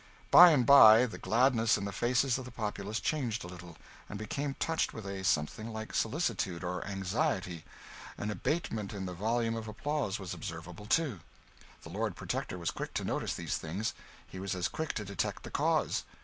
By and by the gladness in the faces of the populace changed a little, and became touched with a something like solicitude or anxiety: an abatement in the volume of the applause was observable too. The Lord Protector was quick to notice these things: he was as quick to detect the cause.